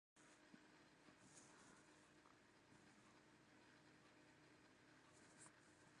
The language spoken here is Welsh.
Cyflogwyd miloedd o ysgolheigion a chrefftwyr yn y prosiect enfawr hwn.